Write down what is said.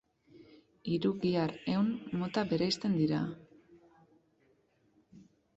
Hiru gihar-ehun mota bereizten dira.